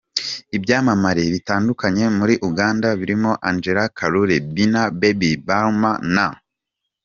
ibyamamare bitandukanye muri Uganda birimo Angella Kalule, Bina Baby, Balam na.